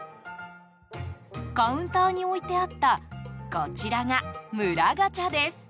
カウンターに置いてあったこちらが、村ガチャです。